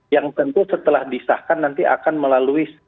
yang tentu setelah disahkan nanti akan melalui